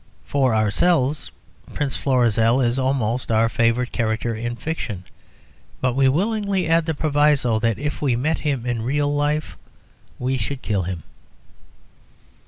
For ourselves. Prince Florizel is almost our favourite character in fiction; but we willingly add the proviso that if we met him in real life we should kill him.